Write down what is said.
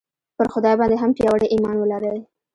پر خدای باندې هم پیاوړی ایمان ولرئ